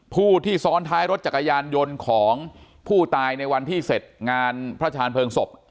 ผู้ที่ซ้อนท้ายรถจักรยานยนต์ของผู้ตายในวันที่เสร็จงานพระชาญเพลิงศพ